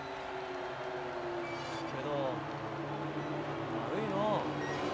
けど悪いのう。